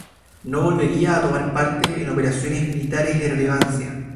No volvería a tomar parte en operaciones militares de relevancia.